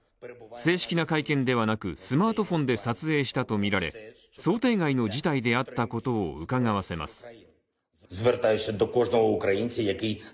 正式な会見ではなく、スマートフォンで撮影したとみられ、想定外の事態であったことを伺わせます。